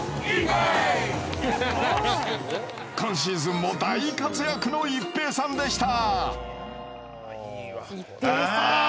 今シーズンも大活躍の一平さんでした。